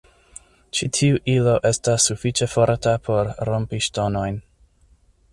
Ĉi tiu ilo estas sufiĉe forta por rompi ŝtonojn.